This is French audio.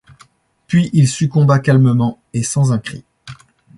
Puis il succomba calmement et sans un cri.